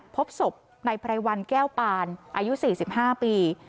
พบศพในไพรวัลแก้วปานอายุ๔๕ปี